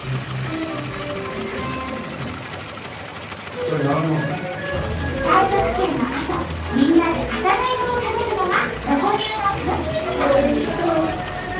太極拳のあとみんなで朝がゆを食べるのがロコ流の楽しみ方。